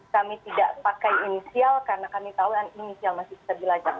kami tidak pakai inisial karena kami tahu inisial masih bisa dilacak